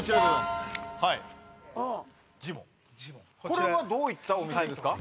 これはどういったお店ですか？